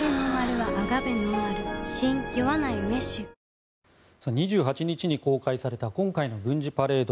わかるぞ２８日に公開された今回の軍事パレード。